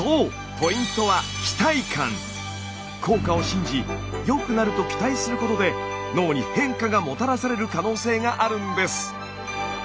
ポイントは効果を信じ良くなると期待することで脳に変化がもたらされる可能性があるんです。